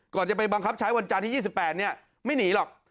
ก่อนจะไปบังคับชายวัญจารย์ที่๒๘นี่ไม่หนีหรอก